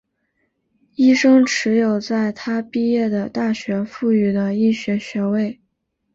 医生持有在他毕业的大学赋予的医学学位。